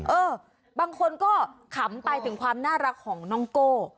เออบางคนก็ขำไปถึงความน่ารักของน้องโก้